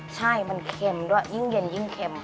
ใช่มันเค็มด้วยยิ่งเย็นยิ่งเค็ม